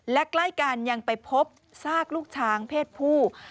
และใกล้กันยังไปพบซากลูกช้างเพศผู้